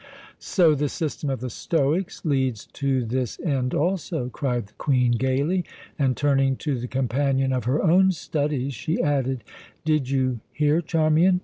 "So the system of the Stoics leads to this end also!" cried the Queen gaily, and, turning to the companion of her own studies, she added: "Did you hear, Charmian?